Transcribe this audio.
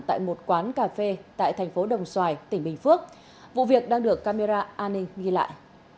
tại một quán cà phê tại thành phố đồng xoài tỉnh bình phước vụ việc đang được camera an ninh ghi lại